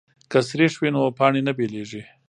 که سریښ وي نو پاڼې نه بېلیږي.